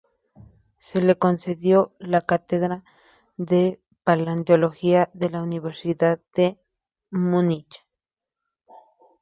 Se le concedió la cátedra de Paleontología de la Universidad de Múnich.